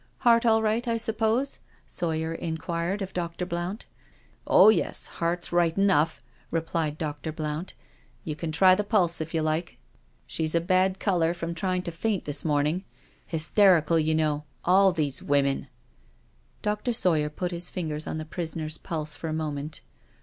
Heart all right, I suppose?" Sawyer inquired of Dr. Blount. " Oh, yes, heart's right enough," replied Dr. Blount, " you can try the pulse if you liko— she's a bad colour 288 NO SURRENDER from trying to faint this morning— hysterical^ you know — ^all these women." Dr. Sawyer put his fingers on the prisoner's pulse for a moment.